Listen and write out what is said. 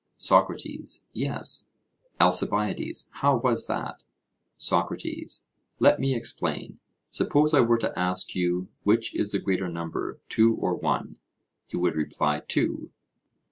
SOCRATES: Yes. ALCIBIADES: How was that? SOCRATES: Let me explain. Suppose I were to ask you which is the greater number, two or one; you would reply 'two'?